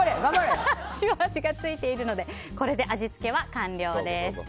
塩味がついているのでこれで味付けは完了です。